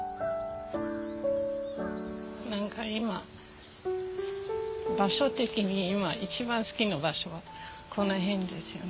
何か今場所的に今一番好きな場所はこの辺ですよね。